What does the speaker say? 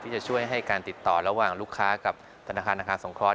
จะช่วยให้การติดต่อระหว่างลูกค้ากับธนาคารอาคารสงเคราะห